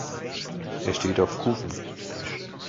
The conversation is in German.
Er steht auf Kufen.